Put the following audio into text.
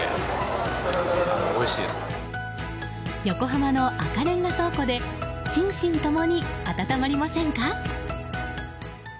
横浜の赤レンガ倉庫で心身共に温まりませんか？